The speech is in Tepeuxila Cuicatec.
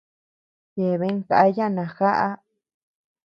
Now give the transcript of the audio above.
Yeabean káya najaá.